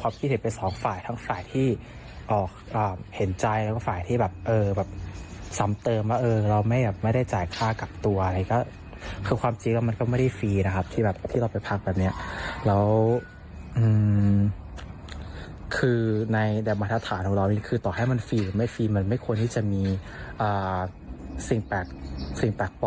ความคิดเห็นเป็นสองฝ่ายทั้งฝ่ายที่ออกอ่าเห็นใจแล้วก็ฝ่ายที่แบบเออแบบสำเติมว่าเออเราไม่อยากไม่ได้จ่ายค่ากลับตัวอะไรก็คือความจริงแล้วมันก็ไม่ได้ฟรีนะครับที่แบบที่เราไปพักแบบเนี้ยแล้วอืมคือในแบบมาทราบของเรานี่คือต่อให้มันฟรีหรือไม่ฟรีมันไม่ควรที่จะมีอ่าสิ่งแปลกสิ่งแปลกป